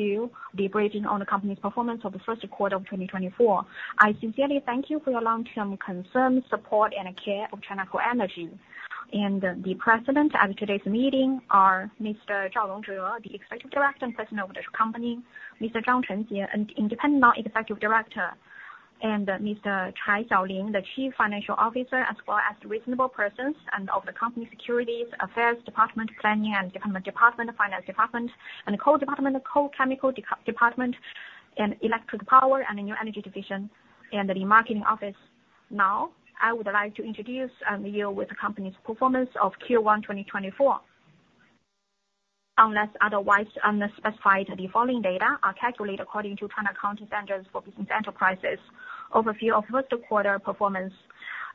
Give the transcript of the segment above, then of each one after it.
Regarding the operational performance of our company for the first quarter of 2024. I sincerely thank you for your long-term concern, support, and care of China Coal Energy. The present at today's meeting are Mr. Zhao Rongzhe, the Executive Director and President of the company, Mr. Zhang Chengjie, an Independent Non-Executive Director, and Mr. Chai Qiaolin, the Chief Financial Officer, as well as relevant persons of the Company's Securities Affairs Department, Planning and Development Department, Finance Department, and Coal Department, Coal Chemical Department, and Electric Power and New Energy Division, and the Marketing Office. Now, I would like to introduce to you the company's performance of Q1 2024. Unless otherwise specified, the following data are calculated according to China Coal Energy Company Limited's overview of first quarter performance.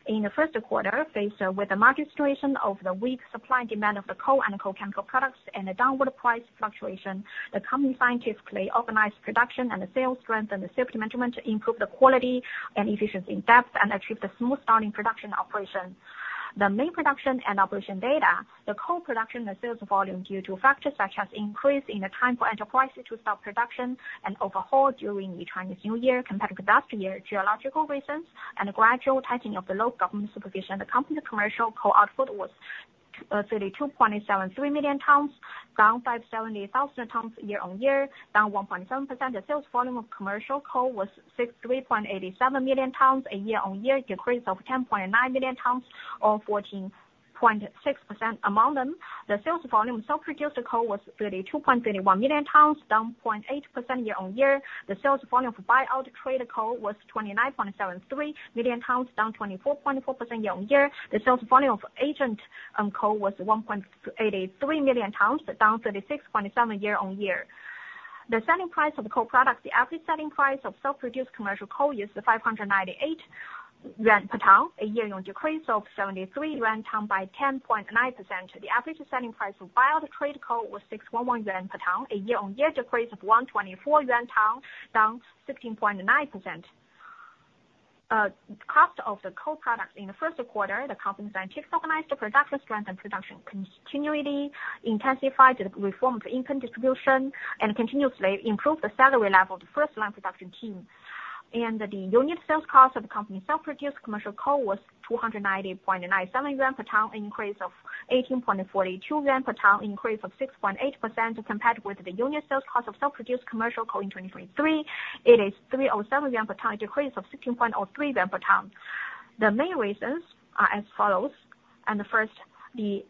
In the first quarter, faced with the market situation of the weak supply and demand of the coal and coal chemical products and the downward price fluctuation, the company scientifically organized production and sales strengthened the safety management to improve the quality and efficiency in depth and achieve the smooth starting production operation. The main production and operation data, the coal production and sales volume due to factors such as increase in the time for enterprises to stop production and overhaul during the Chinese New Year compared to last year, geological reasons, and gradual tightening of the local government supervision, the company's commercial coal output was 32.73 million tons, down 570,000 tons year-on-year, down 1.7%. The sales volume of commercial coal was 63.87 million tons year-on-year, decreased by 10.9 million tons, or 14.6% among them. The sales volume of self-produced coal was 32.31 million tons, down 0.8% year-on-year. The sales volume of buyout traded coal was 29.73 million tons, down 24.4% year-on-year. The sales volume of agent coal was 1.83 million tons, down 36.7% year-on-year. The selling price of the coal products. The average selling price of self-produced commercial coal is 598 yuan per ton, a year-on-year decrease of 73 yuan per ton by 10.9%. The average selling price of buyout traded coal was 611 yuan per ton, a year-on-year decrease of 124 yuan per ton, down 16.9%. Cost of the coal products in the first quarter. The company scientifically organized the production strength and production continuity, intensified the reform of income distribution, and continuously improved the salary level of the first line production team. The unit sales cost of the company's self-produced commercial coal was 290.97 yuan per ton, an increase of 18.42 yuan per ton, an increase of 6.8% compared with the unit sales cost of self-produced commercial coal in 2023. It is 307 per ton, a decrease of 16.03 per ton. The main reasons are as follows. First, the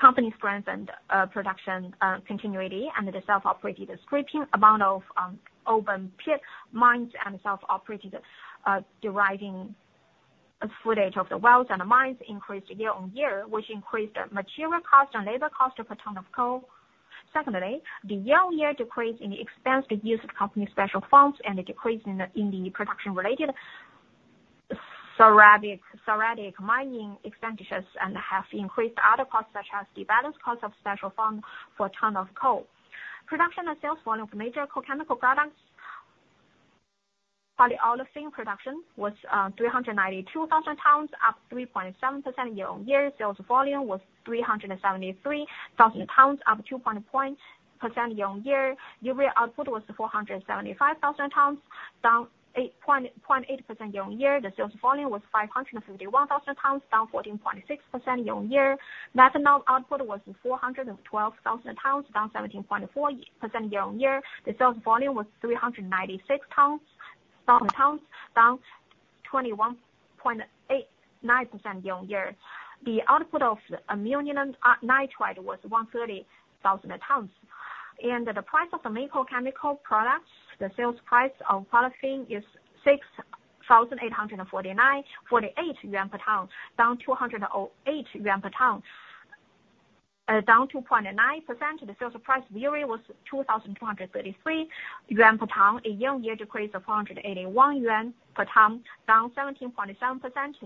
company strengthened production continuity and the self-operated scraping amount of open pit mines and self-operated deriving footage of the wells and the mines increased year-over-year, which increased the material cost and labor cost per ton of coal. Secondly, the year-on-year decrease in the expense to use the company's special funds and the decrease in the production-related ceramic mining expenditures have increased other costs such as the balance cost of special funds for a ton of coal. Production and sales volume of major coal chemical products, polyolefin production was 392,000 tons, up 3.7% year-on-year. Sales volume was 373,000 tons, up 2.1% year-on-year. Urea output was 475,000 tons, down 0.8% year-on-year. The sales volume was 551,000 tons, down 14.6% year-on-year. Methanol output was 412,000 tons, down 17.4% year-on-year. The sales volume was 396,000 tons, down 21.89% year-on-year. The output of ammonium nitrate was 130,000 tons. The price of the main coal chemical products, the sales price of polyethylene is 6,849.48 yuan per ton, down 208 yuan per ton, down 2.9%. The sales price of urea was 2,233 yuan per ton. A year-on-year decrease of 481 yuan per ton, down 17.7%.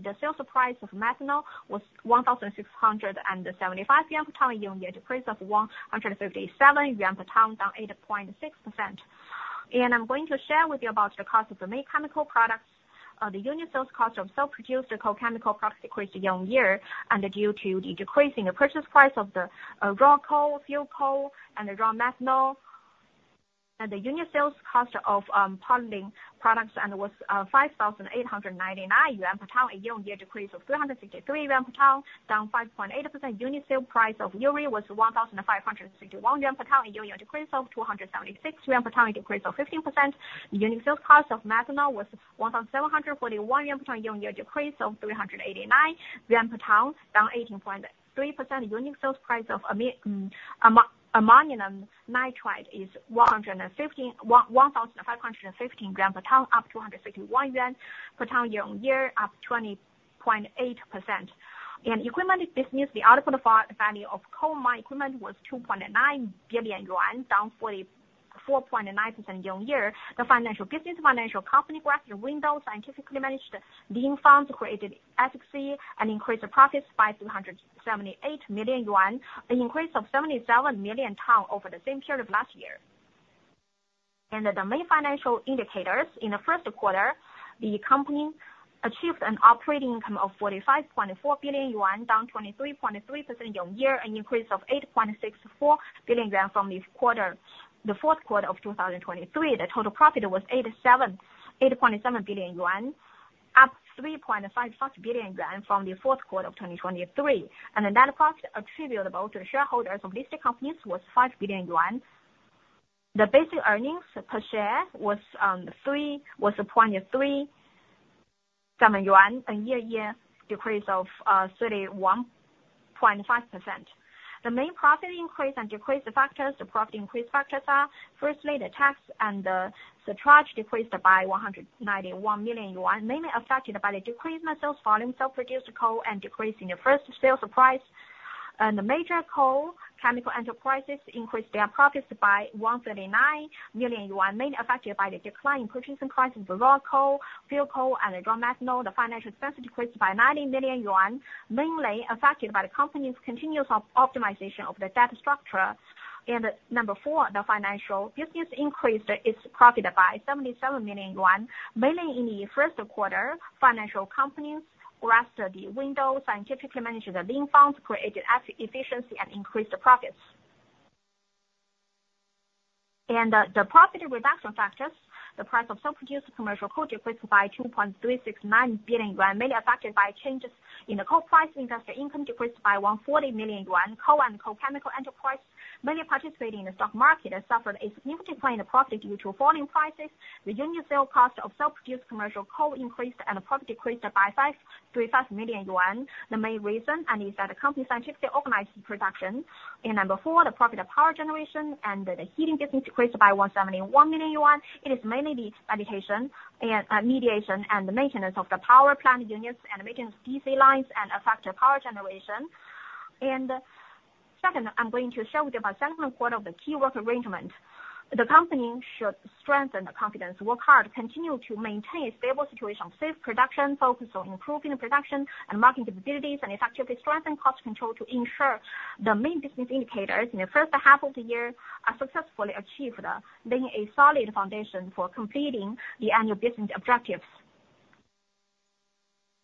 The sales price of methanol was 1,675 yuan per ton. A year-on-year decrease of 157 yuan per ton, down 8.6%. I'm going to share with you about the cost of the main chemical products. The unit sales cost of self-produced coal chemical products decreased year-on-year due to the decrease in the purchase price of the raw coal, fuel coal, and raw methanol. The unit sales cost of polyethylene products was 5,899 yuan per ton. A year-on-year decrease of 363 yuan per ton, down 5.8%. The unit sale price of urea was 1,561 yuan per ton. A year-on-year decrease of 276 yuan per ton, a decrease of 15%. The unit sales cost of methanol was 1,741 yuan per ton. A year-on-year decrease of 389 yuan per ton, down 18.3%. The unit sales price of ammonium nitrate is 1,515 per ton, up 261 yuan per ton year-on-year, up 20.8%. Equipment business, the output value of coal mine equipment was 2.9 billion yuan, down 44.9% year-on-year. The business financial company grasped windows, scientifically managed lean funds, created efficacy, and increased profits by 378 million yuan, an increase of 77 million over the same period of last year. The main financial indicators, in the first quarter, the company achieved an operating income of 45.4 billion yuan, down 23.3% year-on-year, an increase of 8.64 billion yuan from the fourth quarter of 2023. The total profit was 8.7 billion yuan, up 3.55 billion yuan from the fourth quarter of 2023. The net profit attributable to the shareholders of listed companies was 5 billion yuan. The basic earnings per share was 0.37 CNY, a year-on-year decrease of 31.5%. The main profit increase and decrease factors, the profit increase factors are, firstly, the tax and the surcharge decreased by 191 million yuan, mainly affected by the decrease in the sales volume of self-produced coal and decrease in the first sales price. The major coal chemical enterprises increased their profits by 139 million yuan, mainly affected by the decline in purchasing prices of raw coal, fuel coal, and raw methanol. The financial expense decreased by 90 million yuan, mainly affected by the company's continuous optimization of the debt structure. Number 4, the financial business increased its profit by 77 million yuan, mainly in the first quarter. Financial companies grasped the window, scientifically managed the lean funds, created efficiency, and increased profits. The profit reduction factors, the price of self-produced commercial coal decreased by 2.369 billion yuan, mainly affected by changes in the coal price. Industrial income decreased by 140 million yuan. Coal and coal chemical enterprises, mainly participating in the stock market, suffered a significant decline in profit due to falling prices. The unit sale cost of self-produced commercial coal increased and the profit decreased by 35 million yuan. The main reason is that the company scientifically organized production. Number four, the profit of power generation and the heating business decreased by 171 million yuan. It is mainly the mediation and maintenance of the power plant units and maintenance DC lines that affect power generation. Second, I'm going to share with you about the second quarter of the key work arrangement. The company should strengthen the confidence, work hard, continue to maintain a stable situation, safe production, focus on improving production and market capabilities, and effectively strengthen cost control to ensure the main business indicators in the first half of the year are successfully achieved, laying a solid foundation for completing the annual business objectives.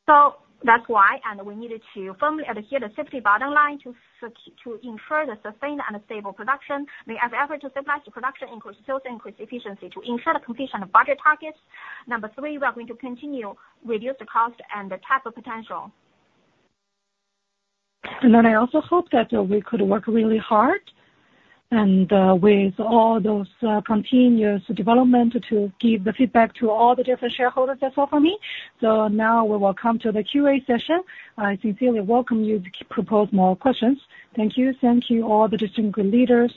So that's why. We needed to firmly adhere to the safety bottom line to ensure the sustained and stable production. We have effort to stabilize the production, increase sales, and increase efficiency to ensure the completion of budget targets. Number three, we are going to continue reduced cost and cap of potential. And then I also hope that we could work really hard with all those continuous developments to give the feedback to all the different shareholders as well for me. So now we will come to the Q&A session. I sincerely welcome you to propose more questions. Thank you. Thank you, all the distinguished leaders.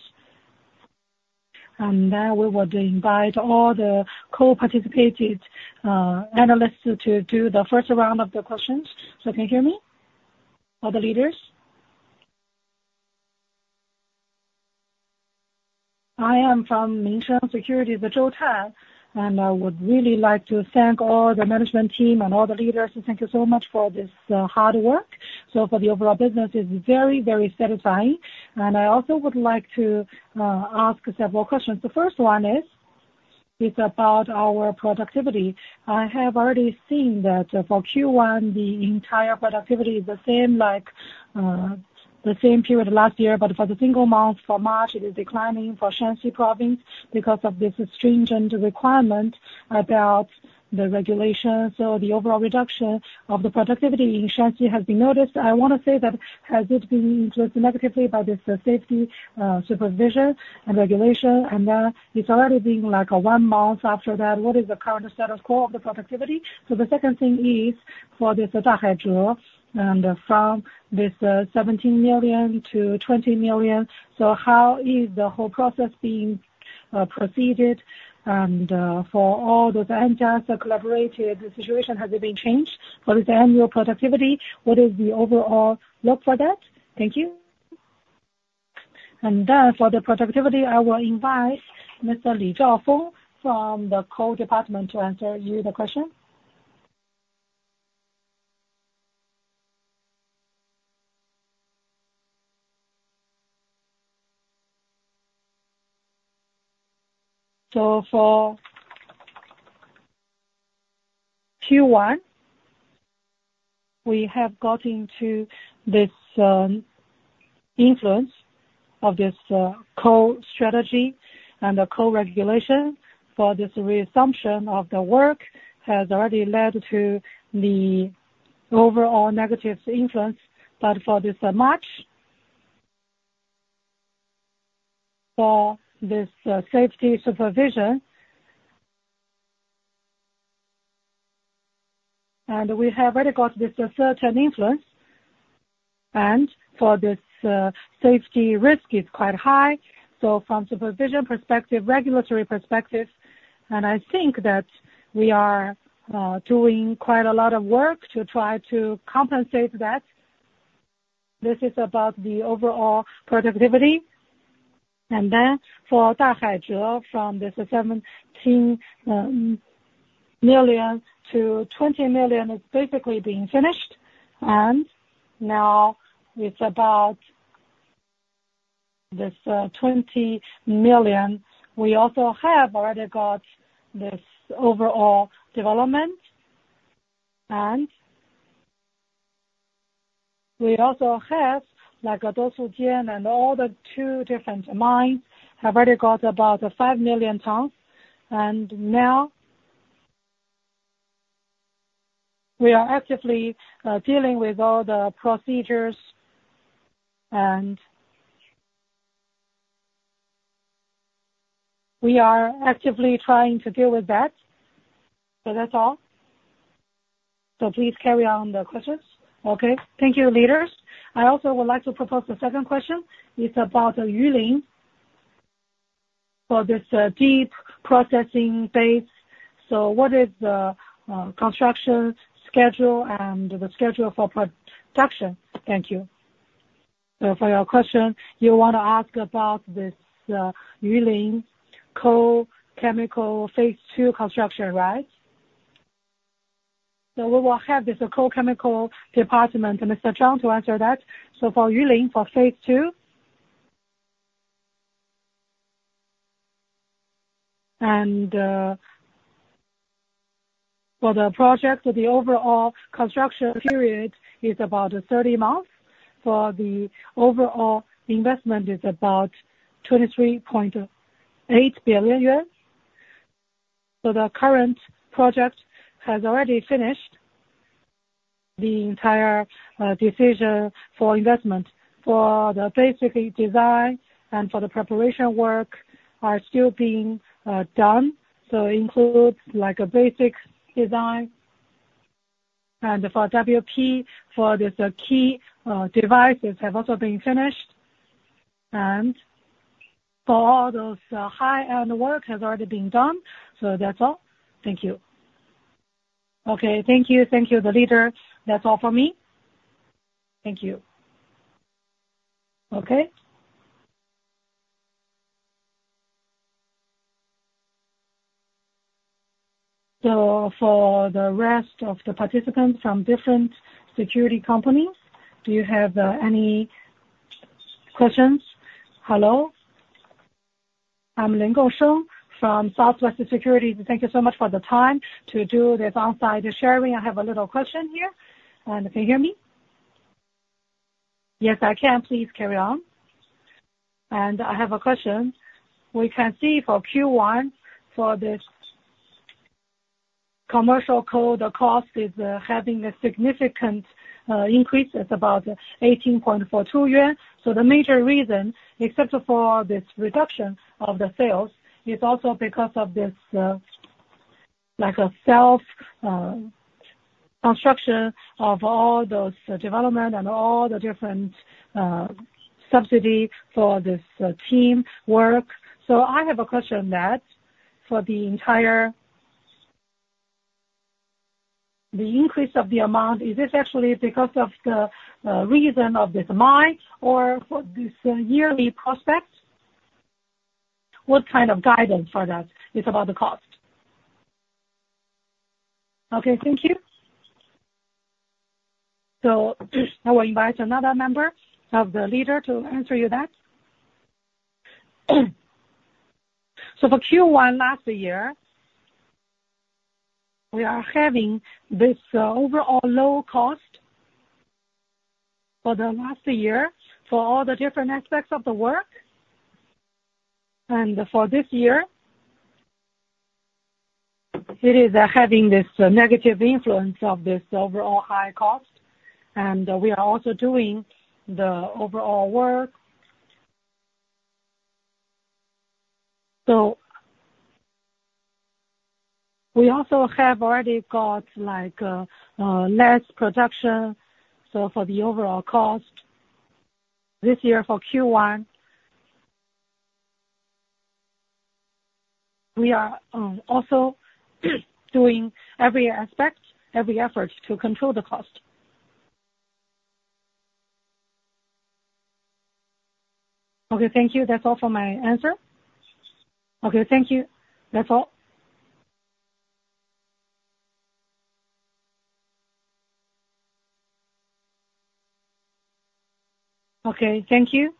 And now we would invite all the co-participating analysts to do the first round of the questions. So can you hear me, all the leaders? I am from Minsheng Securities, Zhou Tai. And I would really like to thank all the management team and all the leaders. Thank you so much for this hard work. So for the overall business, it's very, very satisfying. And I also would like to ask several questions. The first one is about our productivity. I have already seen that for Q1, the entire productivity is the same, like the same period last year. But for the single month, for March, it is declining for Shaanxi Province because of this stringent requirement about the regulation. So the overall reduction of the productivity in Shaanxi has been noticed. I want to say that has it been influenced negatively by this safety supervision and regulation? And then it's already been like one month after that. What is the current status quo of the productivity? So the second thing is for this Dahaize, from 17 million-20 million, so how is the whole process being proceeded? And for all those NGOs that collaborated, the situation has it been changed for this annual productivity? What is the overall look for that? Thank you. And then for the productivity, I will invite Mr. Li Zhaofeng from the Coal Department to answer your question. So for Q1, we have gotten the influence of this coal strategy and the coal regulation. For this resumption of the work has already led to the overall negative influence. But for March, for this safety supervision, and we have already got this certain influence. And for this safety risk, it's quite high. So from supervision perspective, regulatory perspective, and I think that we are doing quite a lot of work to try to compensate that. This is about the overall productivity. And then for Dahaize, from this 17 million to 20 million is basically being finished. And now it's about this 20 million. We also have already got this overall development. And we also have Douzhu Jian and all the two different mines have already got about 5 million tons. Now we are actively dealing with all the procedures. We are actively trying to deal with that. That's all. Please carry on the questions. Okay. Thank you, leaders. I also would like to propose the second question. It's about Yulin for this deep processing base. What is the construction schedule and the schedule for production? Thank you. For your question, you want to ask about this Yulin coal chemical phase two construction, right? We will have this coal chemical department, Mr. Zhao, to answer that. For Yulin for phase two, and for the project, the overall construction period is about 30 months. For the overall investment, it's about 23.8 billion yuan. The current project has already finished the entire decision for investment. For the basic design and for the preparation work are still being done. It includes a basic design. For WP, for these key devices have also been finished. For all those high-end work has already been done. So that's all. Thank you. Okay. Thank you. Thank you, the leader. That's all for me. Thank you. Okay. So for the rest of the participants from different securities companies, do you have any questions? Hello? I'm Ling Guosheng from Southwest Securities. Thank you so much for the time to do this on-site sharing. I have a little question here. Can you hear me? Yes, I can. Please carry on. I have a question. We can see for Q1, for this commercial coal, the cost is having a significant increase. It's about 18.42 yuan. So the major reason, except for this reduction of the sales, is also because of this self-construction of all those development and all the different subsidy for this team work. So I have a question that for the increase of the amount, is this actually because of the reason of this mine or for this yearly prospect? What kind of guidance for that? It's about the cost. Okay. Thank you. So I will invite another member of the leadership to answer you that. So for Q1 last year, we are having this overall low cost for the last year for all the different aspects of the work. And for this year, it is having this negative influence of this overall high cost. And we are also doing the overall work. So we also have already got less production. So for the overall cost this year for Q1, we are also doing every aspect, every effort to control the cost. Okay. Thank you. That's all for my answer. Okay. Thank you. That's all. Okay. Thank you.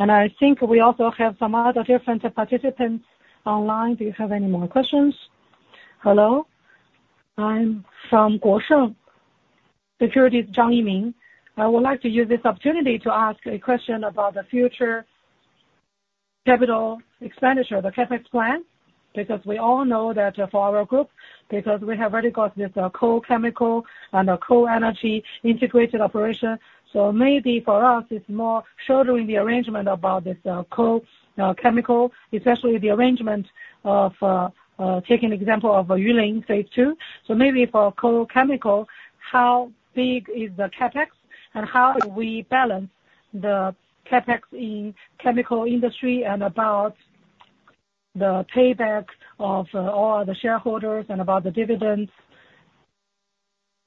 I think we also have some other different participants online. Do you have any more questions? Hello? I'm from Guosheng Securities, Zhang Jinming. I would like to use this opportunity to ask a question about the future capital expenditure, the CapEx plan, because we all know that for our group, because we have already got this coal chemical and coal energy integrated operation. So maybe for us, it's more shorter in the arrangement about this coal chemical, especially the arrangement of taking an example of Yulin phase two. So maybe for coal chemical, how big is the CapEx? And how do we balance the CapEx in chemical industry and about the payback of all the shareholders and about the dividends?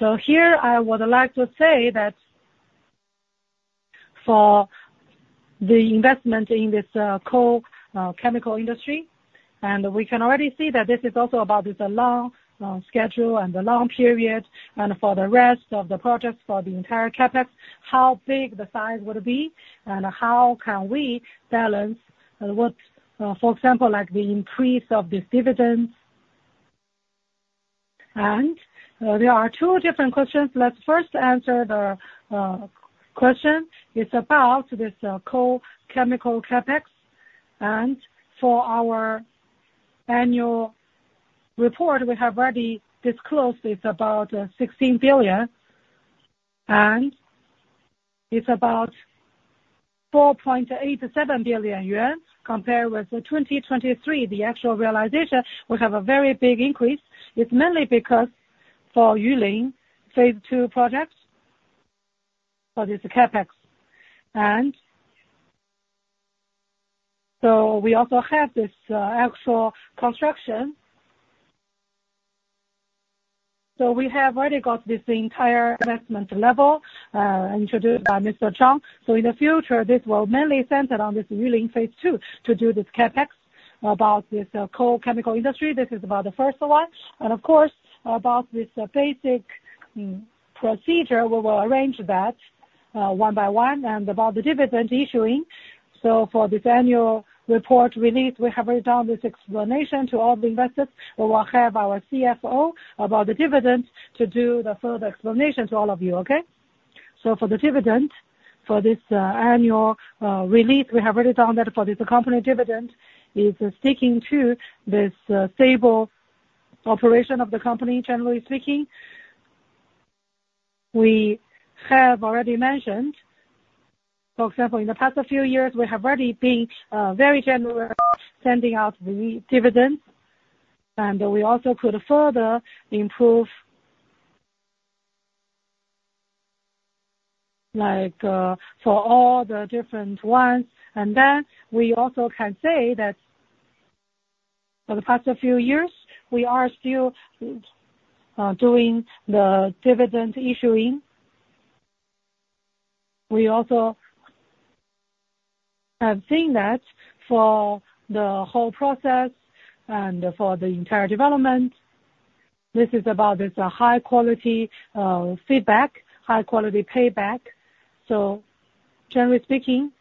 So here, I would like to say that for the investment in this coal chemical industry, and we can already see that this is also about this long schedule and the long period. For the rest of the projects, for the entire CapEx, how big the size would be? And how can we balance what, for example, the increase of this dividends? And there are two different questions. Let's first answer the question. It's about this coal chemical CapEx. And for our annual report, we have already disclosed it's about 16 billion. And it's about 4.87 billion yuan compared with 2023, the actual realization. We have a very big increase. It's mainly because for Yulin phase two projects, for this CapEx. And so we also have this actual construction. So we have already got this entire investment level introduced by Mr. Zhao. So in the future, this will mainly center on this Yulin phase two to do this CapEx about this coal chemical industry. This is about the first one. And of course, about this basic procedure, we will arrange that one by one and about the dividend issuing. So for this annual report release, we have already done this explanation to all the investors. We will have our CFO about the dividends to do the further explanation to all of you. Okay? So for the dividend, for this annual release, we have already done that for this company dividend. It's sticking to this stable operation of the company, generally speaking. We have already mentioned, for example, in the past few years, we have already been very generous sending out the dividends. And we also could further improve for all the different ones. And then we also can say that for the past few years, we are still doing the dividend issuing. We also have seen that for the whole process and for the entire development, this is about this high-quality feedback, high-quality payback. So generally speaking,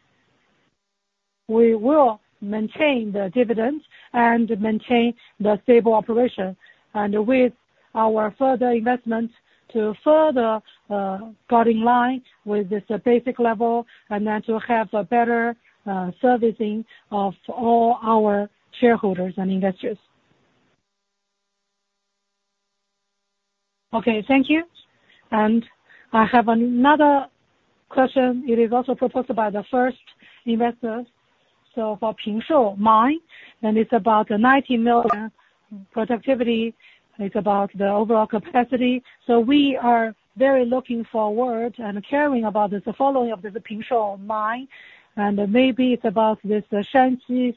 we will maintain the dividends and maintain the stable operation with our further investment to further guard in line with this basic level and then to have a better servicing of all our shareholders and investors. Okay. Thank you. And I have another question. It is also proposed by the first investor. So for Pingshuo mine, and it's about the 90 million productivity. It's about the overall capacity. So we are very looking forward and caring about this following of this Pingshuo mine. And maybe it's about this Shaanxi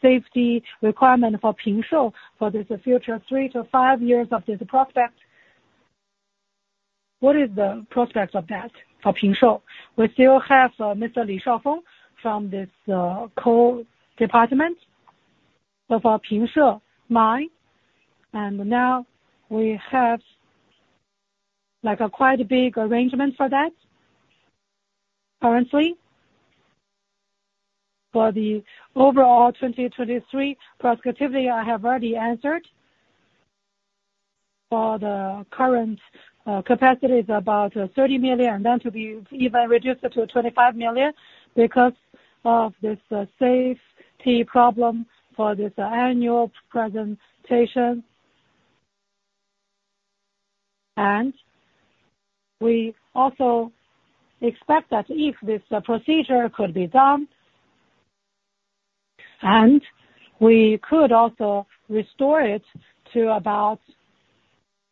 safety requirement for Pingshuo for this future 3-5 years of this prospect. What is the prospect of that for Pingshuo? We still have Mr. Li Zhaofeng from this coal department for Pingshuo mine. And now we have quite a big arrangement for that currently. For the overall 2023 prospectivity, I have already answered. For the current capacity, it's about 30 million and then to be even reduced to 25 million because of this safety problem for this annual presentation. And we also expect that if this procedure could be done and we could also restore it to about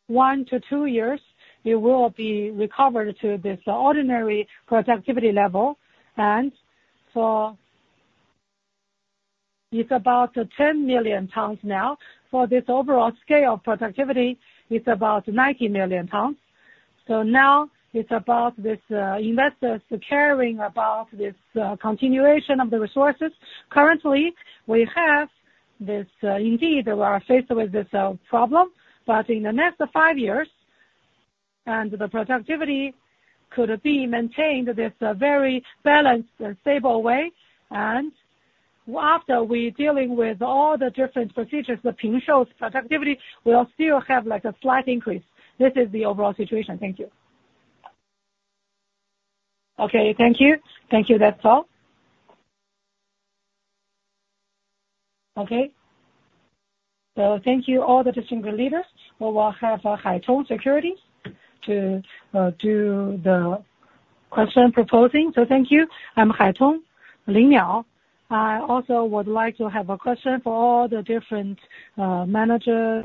one to two years, it will be recovered to this ordinary productivity level. And so it's about 10 million tons now. For this overall scale of productivity, it's about 90 million tons. So now it's about this investors caring about this continuation of the resources. Currently, we have this indeed, we are faced with this problem. But in the next five years, the productivity could be maintained in this very balanced and stable way. And after we're dealing with all the different procedures, the Pingshuo's productivity, we'll still have a slight increase. This is the overall situation. Thank you. Okay. Thank you. Thank you. That's all. Okay. So thank you, all the distinguished leaders. We will have Haitong Securities to do the question proposing. So thank you. I'm Haitong Li Miao. I also would like to have a question for all the different managers,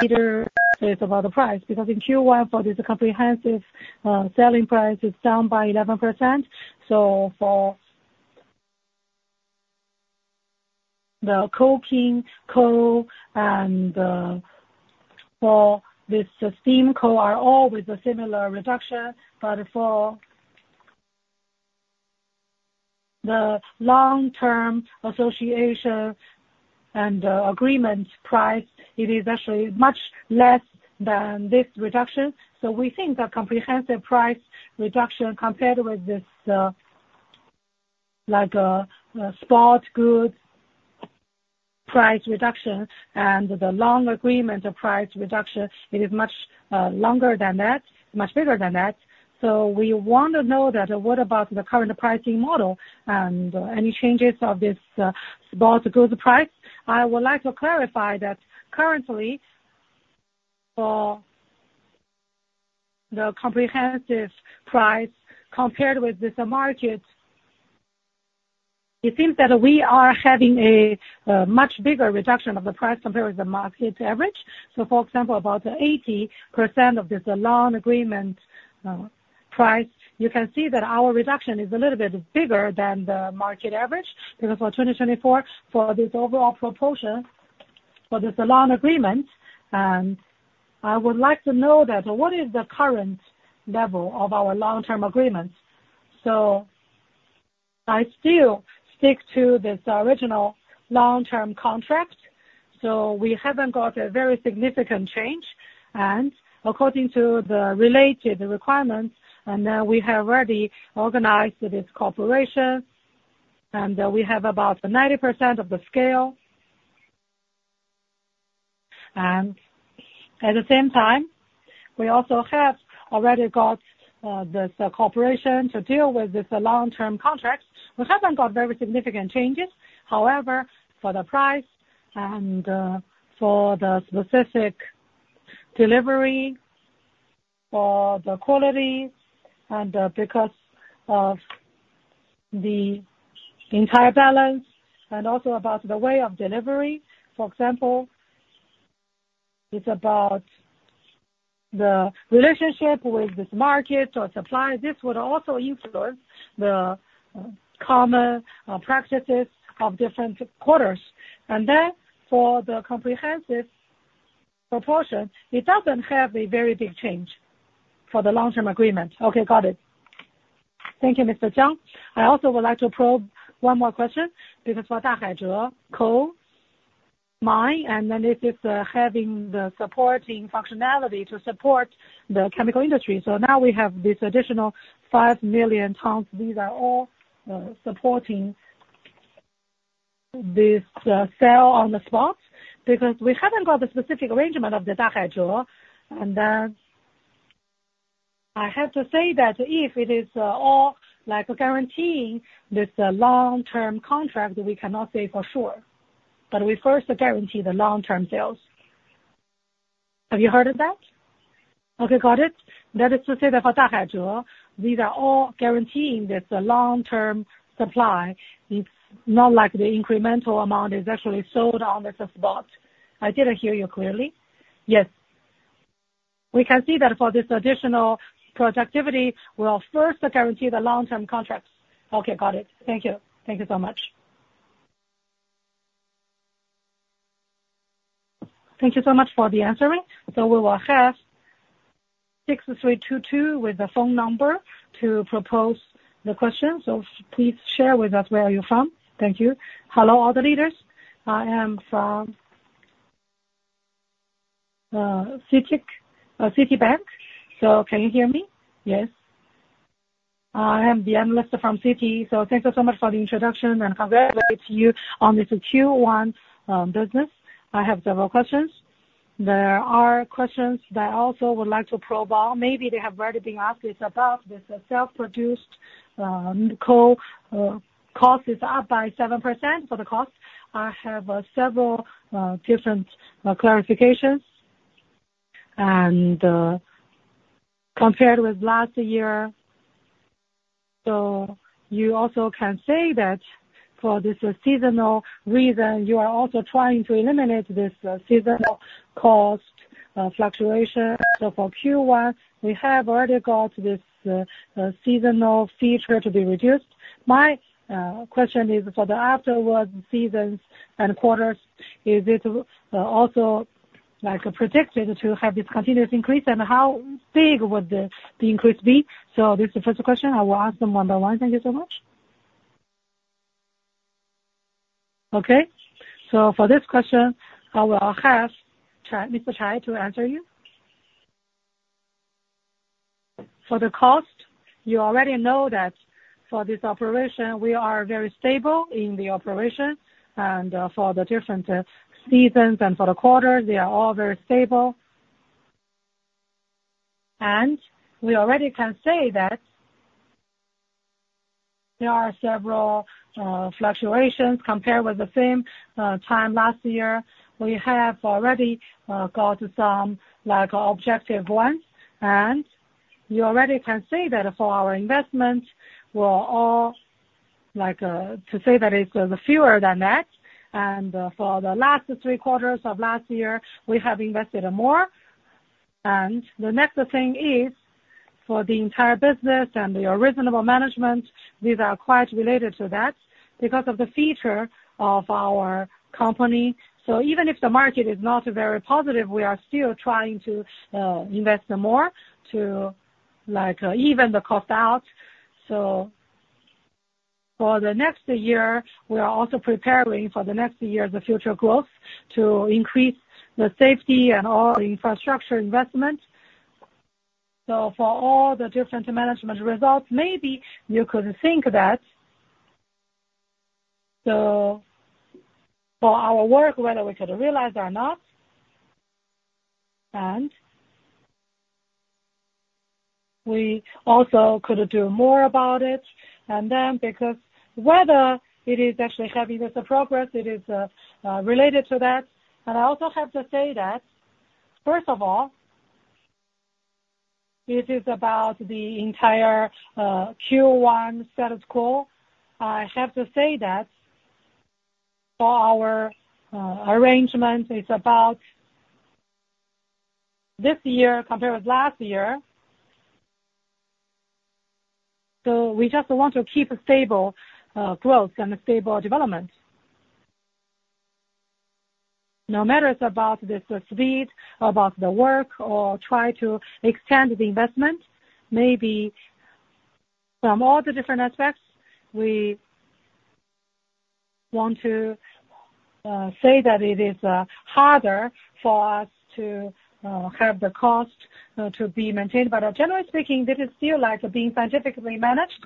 leaders. So it's about the price because in Q1, for this comprehensive selling price, it's down by 11%. So for the coking coal and for this steam coal are all with a similar reduction. But for the long-term contract and agreement price, it is actually much less than this reduction. So we think that comprehensive price reduction compared with this spot goods price reduction and the long agreement price reduction, it is much longer than that, much bigger than that. So we want to know that what about the current pricing model and any changes of this spot goods price? I would like to clarify that currently, for the comprehensive price compared with this market, it seems that we are having a much bigger reduction of the price compared with the market average. So for example, about 80% of this long agreement price, you can see that our reduction is a little bit bigger than the market average because for 2024, for this overall proportion for this long agreement, and I would like to know that what is the current level of our long-term agreements? So I still stick to this original long-term contract. So we haven't got a very significant change. According to the related requirements, then we have already organized this cooperation, and we have about 90% of the scale. At the same time, we also have already got this cooperation to deal with this long-term contract. We haven't got very significant changes. However, for the price and for the specific delivery, for the quality, and because of the entire balance and also about the way of delivery, for example, it's about the relationship with this market or supply. This would also influence the common practices of different quarters. Then for the comprehensive proportion, it doesn't have a very big change for the long-term agreement. Okay. Got it. Thank you, Mr. Zhao. I also would like to probe one more question because for Dahaize coal mine, and then this is having the supporting functionality to support the chemical industry. So now we have this additional 5 million tons. These are all supporting this sale on the spot because we haven't got the specific arrangement of the Dahaize. And then I have to say that if it is all guaranteeing this long-term contract, we cannot say for sure. But we first guarantee the long-term sales. Have you heard of that? Okay. Got it. That is to say that for Dahaize, these are all guaranteeing this long-term supply. It's not like the incremental amount is actually sold on this spot. I didn't hear you clearly. Yes. We can see that for this additional productivity, we'll first guarantee the long-term contracts. Okay. Got it. Thank you. Thank you so much. Thank you so much for answering. So we will have 6322 with the phone number to propose the questions. So please share with us where you're from. Thank you. Hello, all the leaders. I am from Citibank. So can you hear me? Yes. I am the analyst from Citi. So thank you so much for the introduction and congratulate you on this Q1 business. I have several questions. There are questions that I also would like to probe. Maybe they have already been asked. It's about this self-produced coal. Cost is up by 7% for the cost. I have several different clarifications. Compared with last year, so you also can say that for this seasonal reason, you are also trying to eliminate this seasonal cost fluctuation. So for Q1, we have already got this seasonal feature to be reduced. My question is for the afterwards seasons and quarters, is it also predicted to have this continuous increase? And how big would the increase be? So this is the first question. I will ask them one by one. Thank you so much. Okay. For this question, I will have Mr. Chai to answer you. For the cost, you already know that for this operation, we are very stable in the operation. For the different seasons and for the quarters, they are all very stable. We already can say that there are several fluctuations compared with the same time last year. We have already got some objective ones. You already can see that for our investment, we're all to say that it's fewer than that. For the last three quarters of last year, we have invested more. The next thing is for the entire business and the original management; these are quite related to that because of the feature of our company. So even if the market is not very positive, we are still trying to invest more to even the cost out. So for the next year, we are also preparing for the next year's future growth to increase the safety and all infrastructure investment. So for all the different management results, maybe you could think that for our work, whether we could realize or not, and we also could do more about it. Then because whether it is actually having this progress, it is related to that. I also have to say that first of all, it is about the entire Q1 status quo. I have to say that for our arrangement, it's about this year compared with last year. So we just want to keep stable growth and stable development no matter it's about this speed or about the work or try to extend the investment. Maybe from all the different aspects, we want to say that it is harder for us to have the cost to be maintained. But generally speaking, this is still being scientifically managed.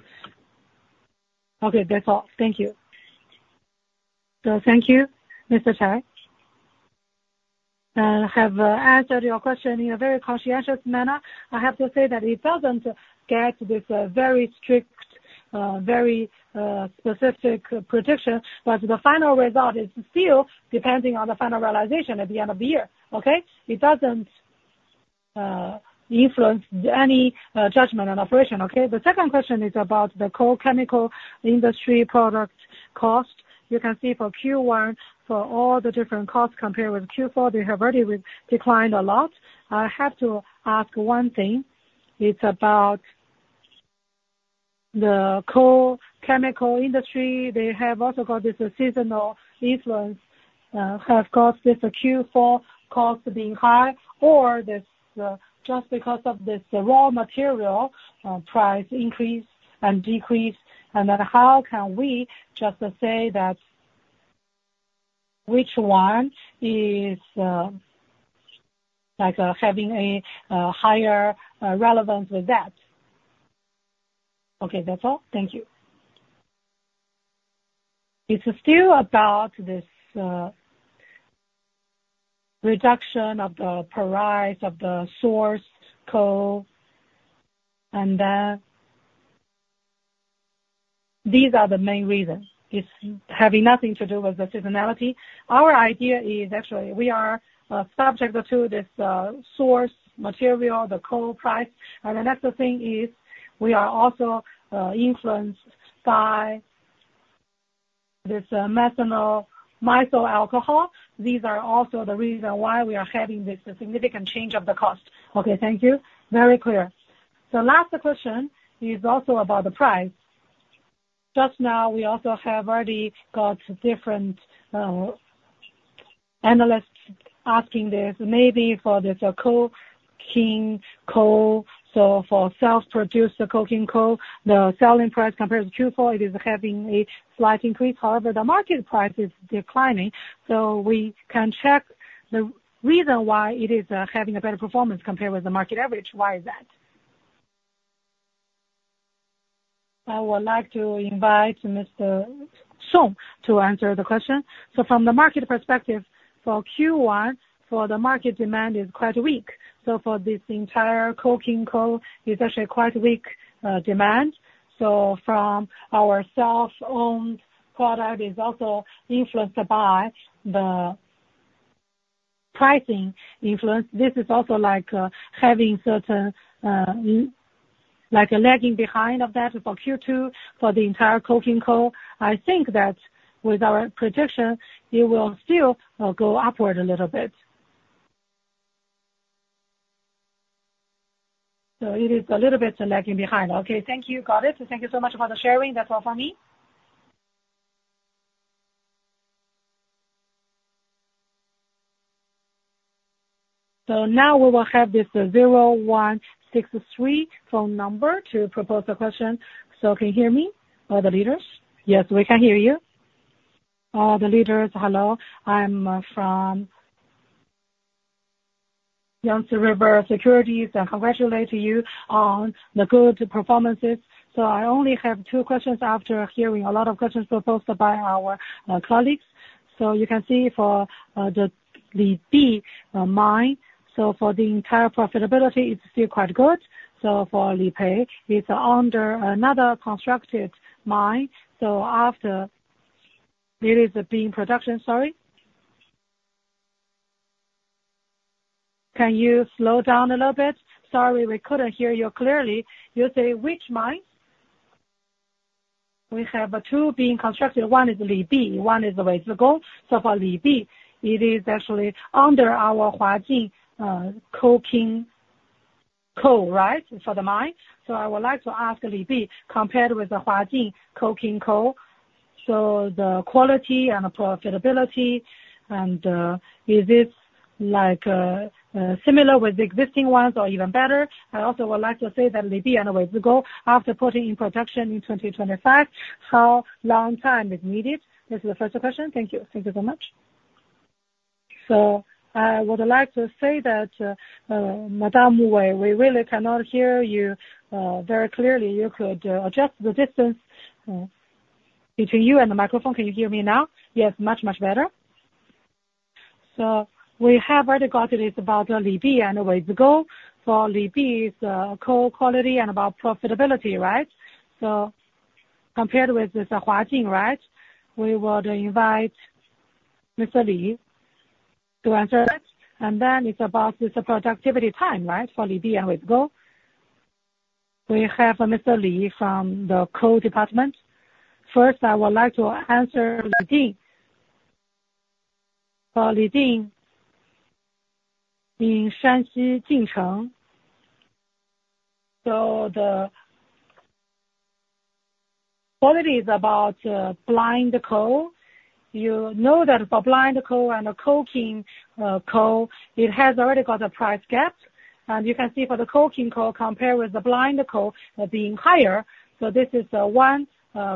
Okay. That's all. Thank you. So thank you, Mr. Chai. And I have answered your question in a very conscientious manner. I have to say that it doesn't get this very strict, very specific prediction. But the final result is still depending on the final realization at the end of the year. Okay? It doesn't influence any judgment on operation. Okay? The second question is about the coal chemical industry product cost. You can see for Q1, for all the different costs compared with Q4, they have already declined a lot. I have to ask one thing. It's about the coal chemical industry. They have also got this seasonal influence, have got this Q4 cost being high or just because of this raw material price increase and decrease. And then how can we just say that which one is having a higher relevance with that? Okay. That's all. Thank you. It's still about this reduction of the price of the raw coal. And then these are the main reasons. It's having nothing to do with the seasonality. Our idea is actually we are subject to this raw material, the coal price. And the next thing is we are also influenced by this methanol, miso alcohol. These are also the reason why we are having this significant change of the cost. Okay. Thank you. Very clear. So last question is also about the price. Just now, we also have already got different analysts asking this. Maybe for this coking coal, so for self-produced coking coal, the selling price compared to Q4, it is having a slight increase. However, the market price is declining. So we can check the reason why it is having a better performance compared with the market average. Why is that? I would like to invite Mr. Song to answer the question. So from the market perspective, for Q1, for the market demand is quite weak. So for this entire coking coal, it's actually quite weak demand. So from our self-produced coal, it's also influenced by the pricing influence. This is also having certain lagging behind of that for Q2 for the entire coking coal. I think that with our prediction, it will still go upward a little bit. So it is a little bit lagging behind. Okay. Thank you. Got it. Thank you so much for the sharing. That's all from me. So now we will have this 0163 phone number to propose the question. So can you hear me, all the leaders? Yes, we can hear you. All the leaders, hello. I'm from Yangtze River Securities. And congratulate you on the good performances. So I only have two questions after hearing a lot of questions proposed by our colleagues. So you can see for the Libi mine, so for the entire profitability, it's still quite good. So for Li Pei, it's under another constructed mine. So after it is being production, sorry. Can you slow down a little bit? Sorry, we couldn't hear you clearly. You say which mine? We have two being constructed. One is Libi. One is Weizigang. So for Libi, it is actually under our Huajing coking coal, right, for the mine. So I would like to ask Libi, compared with the Huajing coking coal, so the quality and profitability, and is this similar with the existing ones or even better? I also would like to say that Libi and Weizigou, after putting in production in 2025, how long time is needed? This is the first question. Thank you. Thank you so much. So I would like to say that, Madame Mu Wei, we really cannot hear you very clearly. You could adjust the distance between you and the microphone. Can you hear me now? Yes, much, much better. So we have already got it. It's about Libi and Weizigang. For Libi, it's coal quality and about profitability, right? So compared with this Huajing, right, we would invite Mr. Li to answer that. And then it's about this productivity time, right, for Libi and Weizigang. We have Mr. Li from the coal department. First, I would like to answer Libi. For Libi in Shanxi, Jingcheng, so the quality is about blind coal. You know that for blind coal and coking coal, it has already got a price gap. And you can see for the coking coal, compared with the blind coal, being higher. So this is one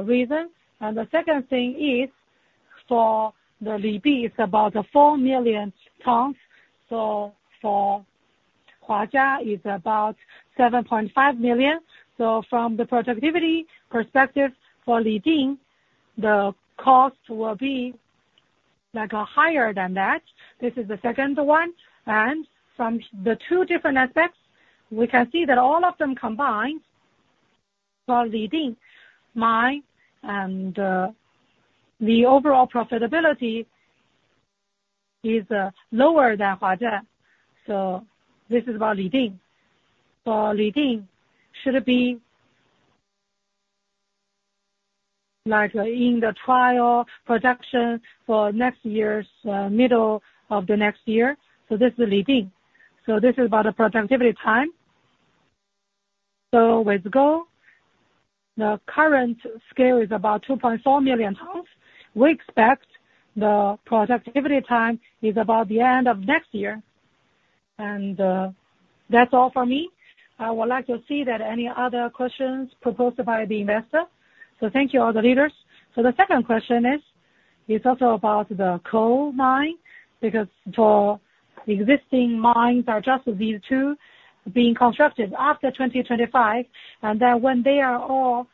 reason. And the second thing is for the Libi, it's about 4 million tons. So for Huajing, it's about 7.5 million. So from the productivity perspective, for Libi, the cost will be higher than that. This is the second one. From the two different aspects, we can see that all of them combined, for Libi mine and the overall profitability, is lower than Huajing. So this is about Libi. For Libi, should it be in the trial production for next year's middle of the next year? So this is Libi. So this is about the productivity time. So Weizigang, the current scale is about 2.4 million tons. We expect the productivity time is about the end of next year. And that's all from me. I would like to see that any other questions proposed by the investor. So thank you, all the leaders. So the second question is it's also about the coal mine because for existing mines, are just these two being constructed after 2025? And then when they are all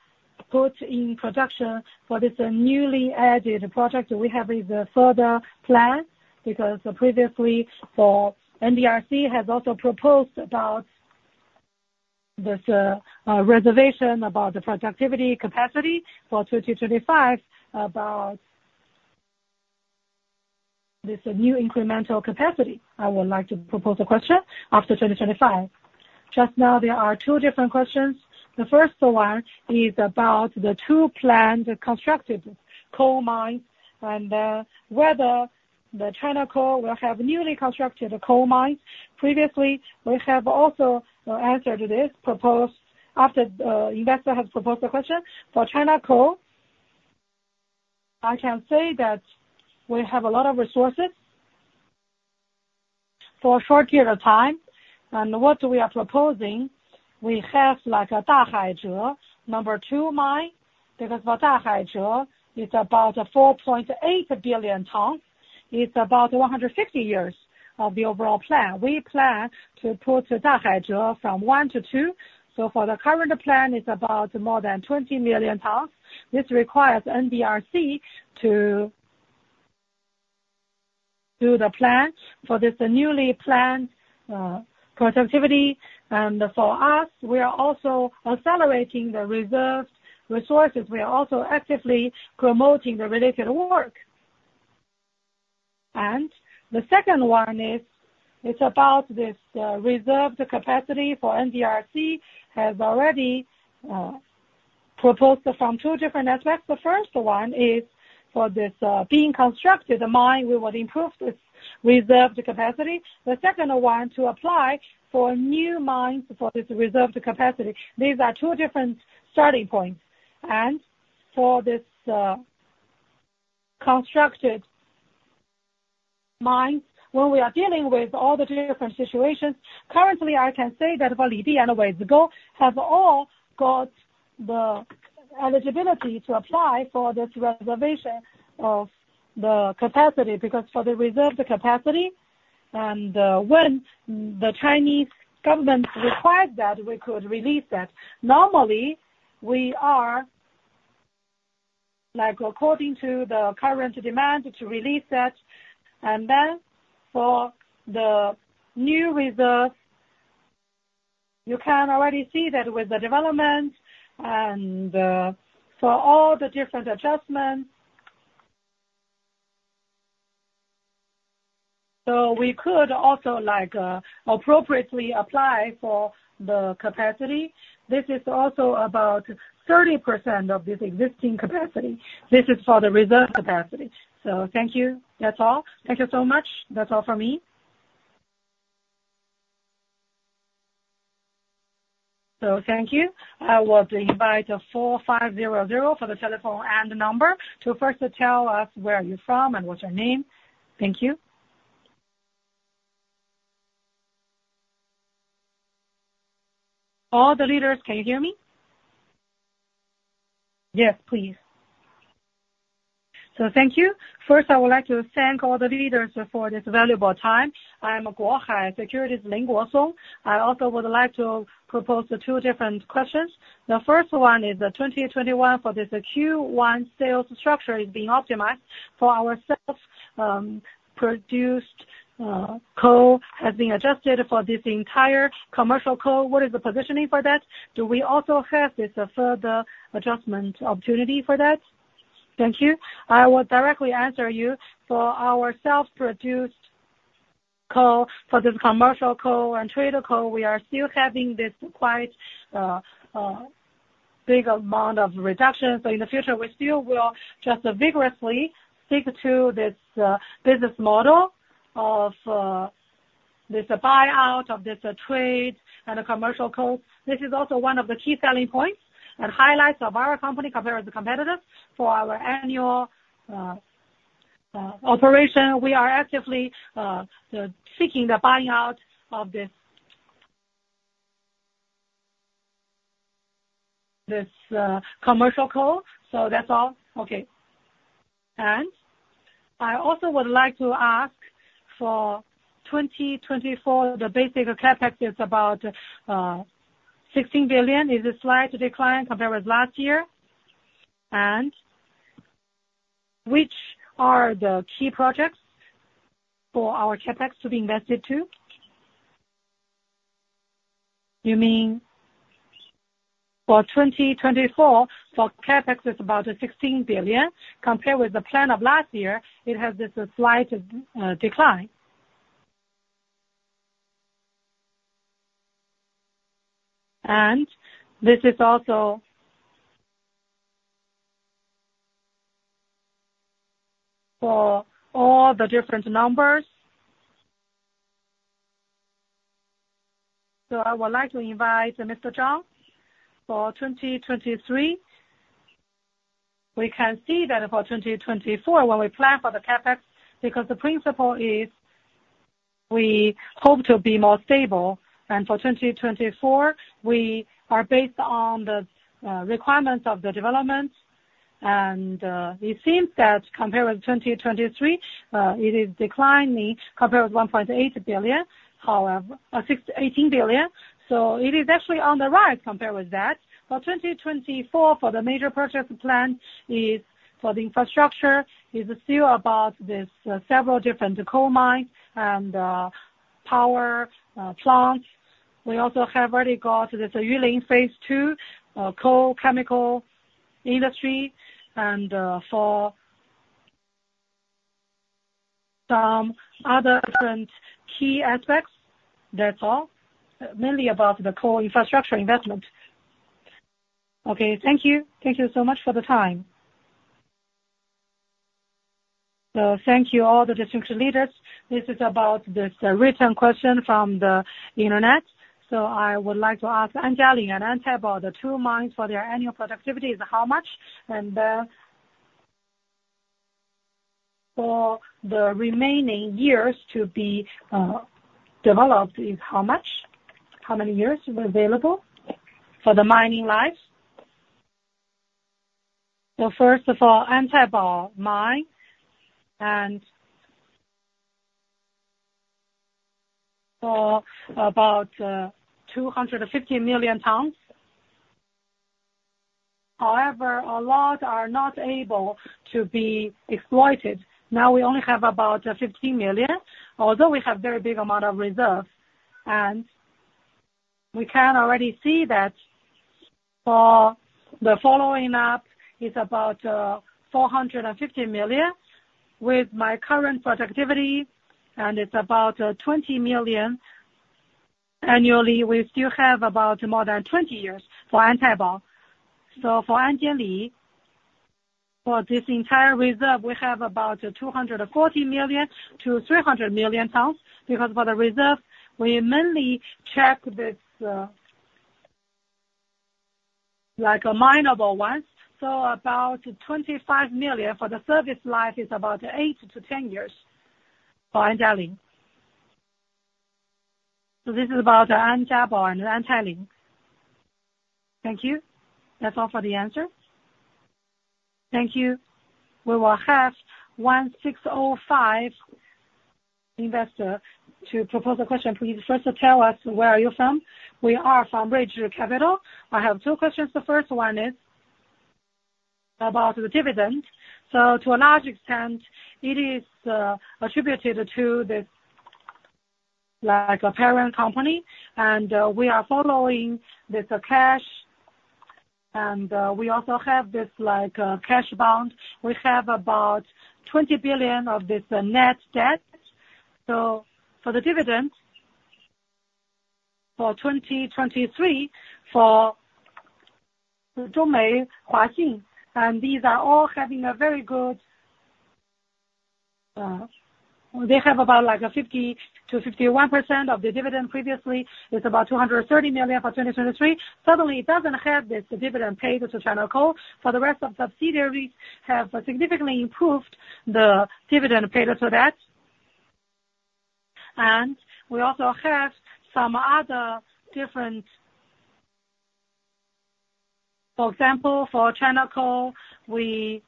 put in production for this newly added project we have, is further plan because previously, for NDRC, has also proposed about this reservation about the productivity capacity for 2025, about this new incremental capacity. I would like to propose a question after 2025. Just now, there are two different questions. The first one is about the two planned constructed coal mines and whether the China Coal will have newly constructed coal mines. Previously, we have also answered this, proposed after the investor has proposed the question. For China Coal, I can say that we have a lot of resources for a short period of time. And what we are proposing, we have a Dahaize number two mine because for Dahaize, it's about 4.8 billion tons. It's about 150 years of the overall plan. We plan to put Dahaize from 17 to 20. So for the current plan, it's about more than 20 million tons. This requires NDRC to do the plan for this newly planned productivity. For us, we are also accelerating the reserved resources. We are also actively promoting the related work. The second one is it's about this reserved capacity for NDRC has already proposed from two different aspects. The first one is for this being constructed mine, we would improve this reserved capacity. The second one, to apply for new mines for this reserved capacity. These are two different starting points. For this constructed mines, when we are dealing with all the different situations, currently, I can say that for Libi and Weizigang, have all got the eligibility to apply for this reservation of the capacity because for the reserved capacity, and when the Chinese government requires that, we could release that. Normally, we are according to the current demand to release that. And then for the new reserve, you can already see that with the development and for all the different adjustments, so we could also appropriately apply for the capacity. This is also about 30% of this existing capacity. This is for the reserved capacity. So thank you. That's all. Thank you so much. That's all from me. So thank you. I would invite 4500 for the telephone and number to first tell us where you're from and what's your name. Thank you. All the leaders, can you hear me? Yes, please. So thank you. First, I would like to thank all the leaders for this valuable time. I'm Guohai Securities, Lin Guosong. I also would like to propose two different questions. The first one is 2021, for this Q1 sales structure is being optimized. For our self-produced coal, has been adjusted for this entire commercial coal. What is the positioning for that? Do we also have this further adjustment opportunity for that? Thank you. I would directly answer you. For our self-produced coal, for this commercial coal and traded coal, we are still having this quite big amount of reduction. So in the future, we still will just vigorously stick to this business model of this buyout of this trade and commercial coal. This is also one of the key selling points and highlights of our company compared with the competitors for our annual operation. We are actively seeking the buyout of this commercial coal. So that's all. Okay. And I also would like to ask for 2024, the basic CapEx, it's about 16 billion. Is it slight decline compared with last year? And which are the key projects for our CapEx to be invested to? You mean for 2024, for CapEx, it's about 16 billion. Compared with the plan of last year, it has this slight decline. And this is also for all the different numbers. So I would like to invite Mr. Zhang. For 2023, we can see that for 2024, when we plan for the CapEx because the principle is we hope to be more stable. And for 2024, we are based on the requirements of the development. It seems that compared with 2023, it is declining compared with 1.8 billion. However, 18 billion. So it is actually on the rise compared with that. For 2024, for the major purchase plan is for the infrastructure, is still about these several different coal mines and power plants. We also have already got this Yulin Phase II coal chemical industry and for some other different key aspects. That's all, mainly about the coal infrastructure investment. Okay. Thank you. Thank you so much for the time. So thank you, all the district leaders. This is about this written question from the internet. So I would like to ask Anjialing and Antaibao, the two mines, for their annual productivity, is how much? And then for the remaining years to be developed, is how much? How many years available for the mining lives? So first of all, Antaibao mine, and so about 250 million tons. However, a lot are not able to be exploited. Now, we only have about 15 million, although we have a very big amount of reserve. And we can already see that for the following up, it's about 450 million with my current productivity. And it's about 20 million annually. We still have about more than 20 years for Antaibao. So for Anjialing, for this entire reserve, we have about 240-300 million tons because for the reserve, we mainly check this minable ones. So about 25 million for the service life is about 8-10 years for Anjialing. So this is about Antaibao and Anjialing. Thank you. That's all for the answer. Thank you. We will have 1605 investor to propose a question. Please first tell us where are you from? We are from Ridge Capital. I have two questions. The first one is about the dividend. So to a large extent, it is attributed to this parent company. And we are following this cash. And we also have this cash bond. We have about 20 billion of this net debt. So for the dividend for 2023 for China Coal Huaxin, and these are all having a very good they have about 50%-51% of the dividend previously. It's about 230 million for 2023. Suddenly, it doesn't have this dividend paid to China Coal. For the rest of subsidiaries, have significantly improved the dividend paid to that. And we also have some other different for example, for China Coal, we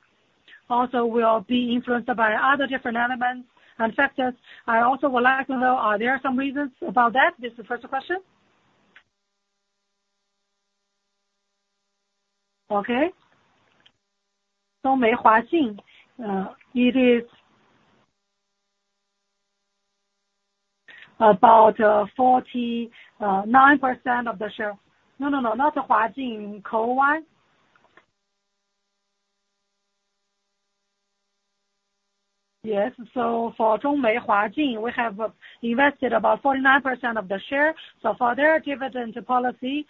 also will be influenced by other different elements and factors. I also would like to know, are there some reasons about that? This is the first question. Okay. China Coal Huaxin, it is about 49% of the share. No, no, no. Not Huaxing coal mine. Yes. So for China Coal Huaxin, we have invested about 49% of the share. So for their dividend policy,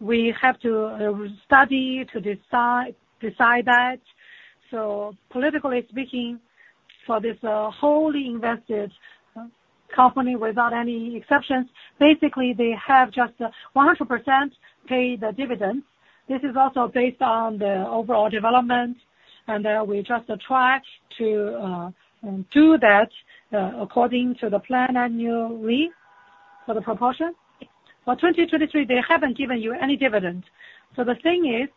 we have to study to decide that. So politically speaking, for this wholly invested company without any exceptions, basically, they have just 100% paid the dividends. This is also based on the overall development. And then we just try to do that according to the plan annually for the proportion. For 2023, they haven't given you any dividend. So the thing is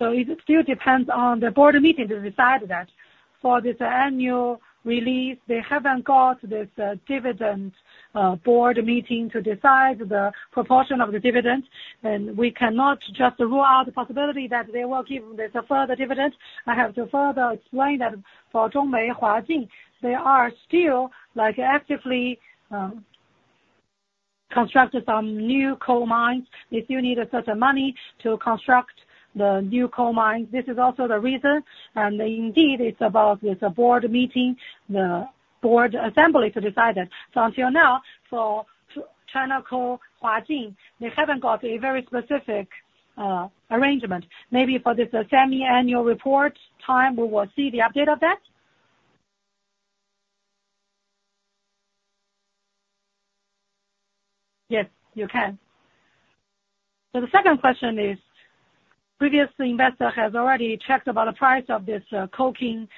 so it still depends on the board meeting to decide that. For this annual release, they haven't got this dividend board meeting to decide the proportion of the dividend. We cannot just rule out the possibility that they will give this further dividend. I have to further explain that for China Coal Huaxin, they are still actively constructing some new coal mines. They still need a certain money to construct the new coal mines. This is also the reason. Indeed, it's about this board meeting, the board assembly to decide that. So until now, for China Coal Huaxin, they haven't got a very specific arrangement. Maybe for this semi-annual report time, we will see the update of that. Yes, you can. So the second question is previous investor has already checked about the price of this coking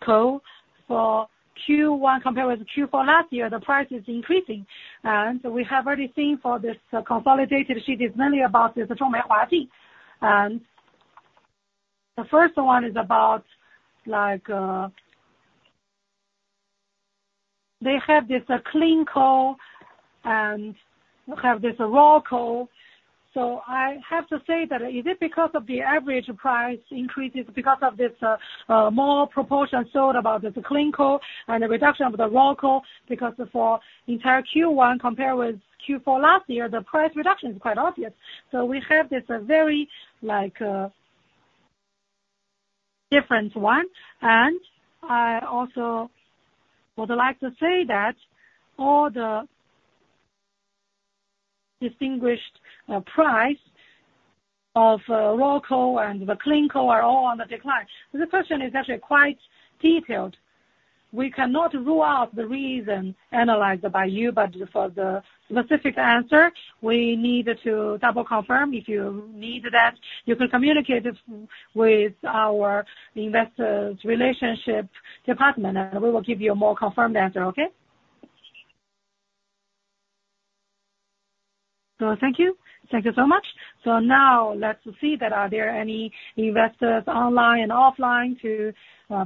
coal. For Q1 compared with Q4 last year, the price is increasing. And we have already seen for this consolidated sheet, it's mainly about this China Coal Huaxin. The first one is about they have this clean coal and have this raw coal. I have to say, is it because of the average price increases because of this more proportion sold about this clean coal and the reduction of the raw coal? Because for entire Q1 compared with Q4 last year, the price reduction is quite obvious. We have this very different one. I also would like to say that all the distinguished price of raw coal and the clean coal are all on the decline. The question is actually quite detailed. We cannot rule out the reason. As analyzed by you. But for the specific answer, we need to double confirm. If you need that, you can communicate with our investor relations department. And we will give you a more confirmed answer. Okay? Thank you. Thank you so much. So now, let's see that are there any investors online and offline to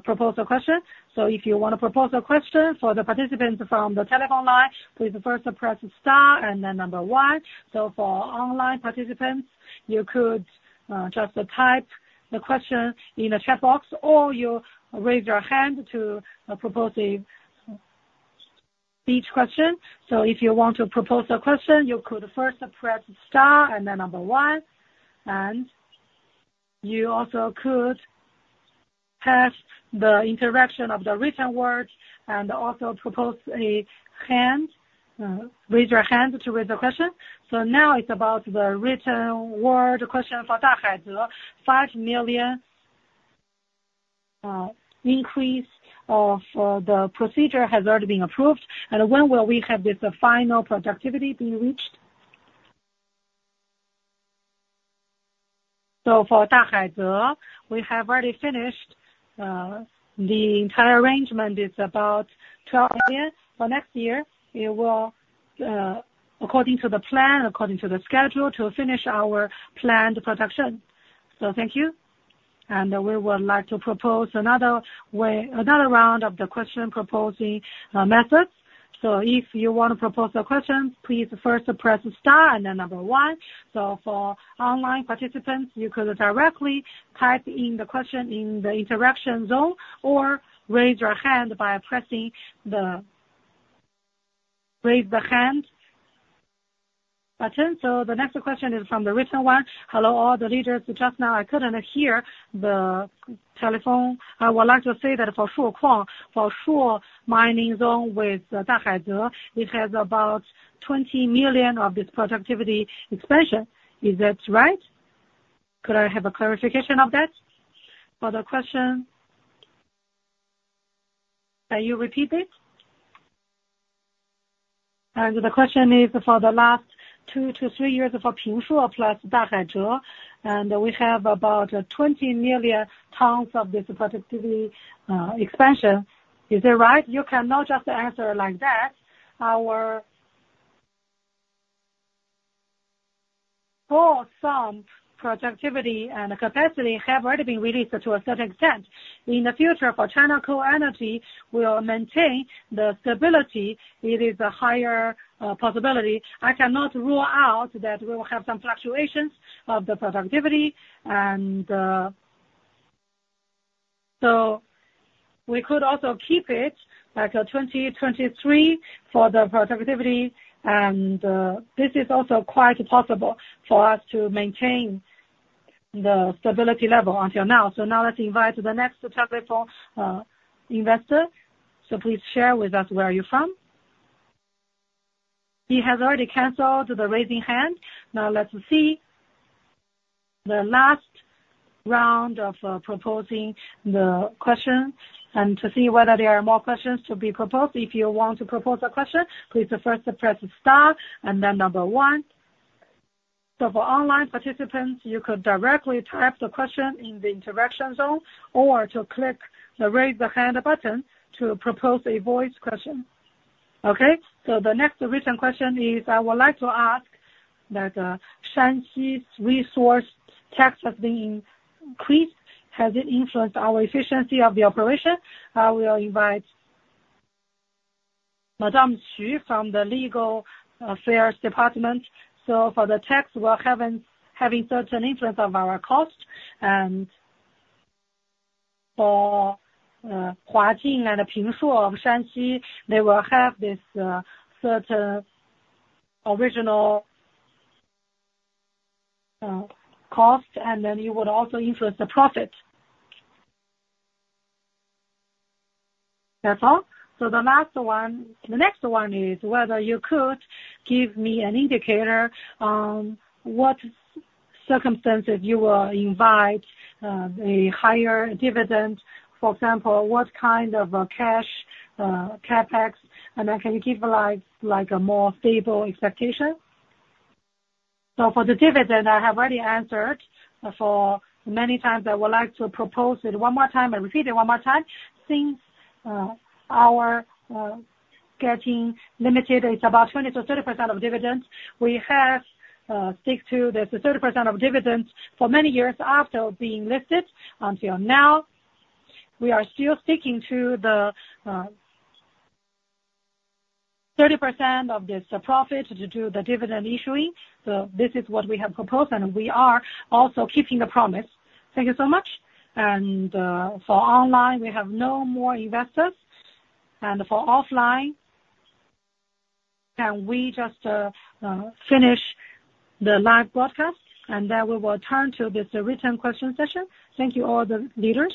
propose a question. So if you want to propose a question for the participants from the telephone line, please first press star and then number one. So for online participants, you could just type the question in the chat box or you raise your hand to propose each question. So if you want to propose a question, you could first press star and then number one. And you also could have the interaction of the written word and also propose a hand raise your hand to raise a question. So now, it's about the written word question for Dahaize. 5 million increase of the procedure has already been approved. And when will we have this final productivity being reached? So for Dahaize, we have already finished the entire arrangement. It's about 12 million. For next year, it will, according to the plan, according to the schedule, finish our planned production. Thank you. We would like to propose another round of the question proposing methods. If you want to propose a question, please first press star and then number one. For online participants, you could directly type in the question in the interaction zone or raise your hand by pressing the raise hand button. The next question is from the written one. Hello, all the leaders. Just now, I couldn't hear the telephone. I would like to say that for Pingshuo, for the Pingshuo mining zone with Dahaize, it has about 20 million of this productivity expansion. Is that right? Could I have a clarification of that? For the question, can you repeat it? The question is for the last two to three years for Pingshuo plus Dahaize. And we have about 20 million tons of this productivity expansion. Is that right? You cannot just answer like that. Our overall productivity and capacity have already been released to a certain extent. In the future, for China Coal Energy, we will maintain the stability. It is a higher possibility. I cannot rule out that we will have some fluctuations of the productivity. And so we could also keep it 2023 for the productivity. And this is also quite possible for us to maintain the stability level until now. So now, let's invite the next telephone investor. So please share with us where are you from? He has already canceled the raised hand. Now, let's see the last round of proposing the question and to see whether there are more questions to be proposed. If you want to propose a question, please first press star and then number one. So for online participants, you could directly type the question in the interaction zone or to click the raise the hand button to propose a voice question. Okay? So the next written question is I would like to ask that Shanxi's resource tax has been increased. Has it influenced our efficiency of the operation? I will invite Madame Xu from the legal affairs department. So for the tax, we're having certain influence of our cost. And for Huaxing and Pingshuo of Shanxi, they will have this certain original cost. And then it would also influence the profit. That's all. So the last one the next one is whether you could give me an indicator on what circumstances you will invite a higher dividend. For example, what kind of CapEx? And then can you give a more stable expectation? So for the dividend, I have already answered for many times. I would like to propose it one more time. I repeat it one more time. Since our getting listed, it's about 20%-30% of dividend. We have stick to this 30% of dividend for many years after being listed. Until now, we are still sticking to the 30% of this profit to do the dividend issuing. So this is what we have proposed. And we are also keeping the promise. Thank you so much. And for online, we have no more investors. And for offline, can we just finish the live broadcast? And then we will turn to this written question session. Thank you, all the leaders.